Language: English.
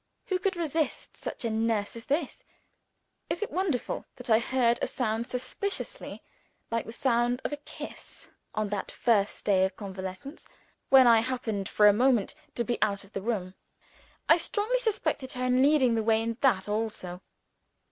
Who could resist such a nurse as this? Is it wonderful that I heard a sound suspiciously like the sound of a kiss, on that first day of convalescence, when I happened for a moment to be out of the room? I strongly suspected her of leading the way in that also.